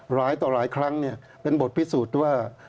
หลายต่อหลายครั้งเป็นบทพิสูจน์ว่า